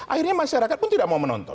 akhirnya masyarakat pun tidak mau menonton